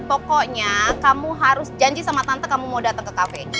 pokoknya kamu harus janji sama tante kamu mau datang ke kafe